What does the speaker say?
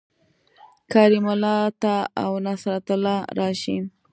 کریم الله ته او نصرت الله راشئ